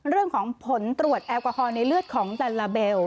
เรื่องของผลตรวจแอลกอฮอลในเลือดของลัลลาเบล